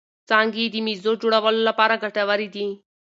څانګې یې د مېزو جوړولو لپاره ګټورې دي.